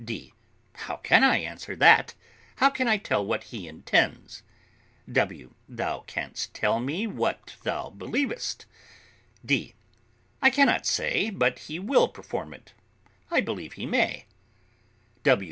D. How can I answer that? How can I tell what he intends? W. Thou canst tell what thou believest. D. I cannot say but he will perform it; I believe he may.